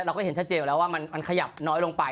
เราก็เห็นชัดเจนอยู่แล้วว่ามันขยับน้อยลงไป